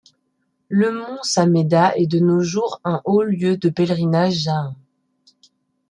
Le Mont Sammeda est de nos jours un haut lieu de pèlerinage jaïn.